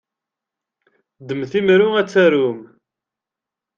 Ddmet imru ad tarum!